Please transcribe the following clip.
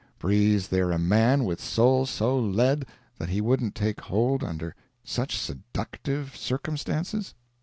Breathes there a man with soul so lead that he wouldn't take hold under such seductive circumstances?